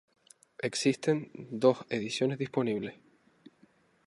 Existen dos ediciones disponibles.